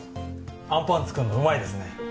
あんぱん作るのうまいですね